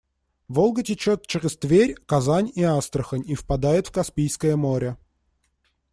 Волга течёт через Тверь, Казань и Астрахань и впадает в Каспийское море.